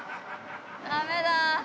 ダメだ。